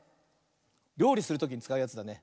りょうりするときにつかうやつだね。